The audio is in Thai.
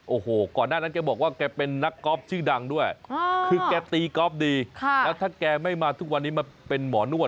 โอ้โหก่อนหน้านั้นแกบอกว่าแกเป็นนักกอล์ฟชื่อดังด้วยคือแกตีกอล์ฟดีแล้วถ้าแกไม่มาทุกวันนี้มาเป็นหมอนวด